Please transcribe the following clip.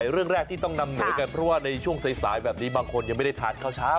เรื่องแรกที่ต้องนำเหนือกันเพราะว่าในช่วงสายแบบนี้บางคนยังไม่ได้ทานข้าวเช้า